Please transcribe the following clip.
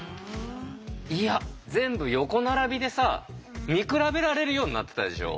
いや全部横並びでさ見比べられるようになってたでしょ？